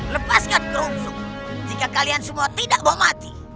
lepaskan kerungsuk jika kalian semua tidak mau mati